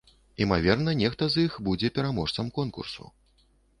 Імаверна, нехта з іх будзе пераможцам конкурсу.